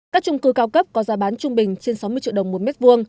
các trung cư cao cấp có giá bán trung bình trên sáu mươi triệu đồng một mét vuông